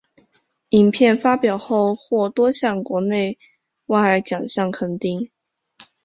影片发表后获多项国内外奖项肯定。